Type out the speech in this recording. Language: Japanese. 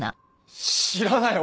知らない！